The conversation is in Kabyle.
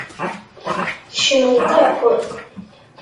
Kecment akk.